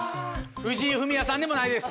藤井フミヤさんでもないです。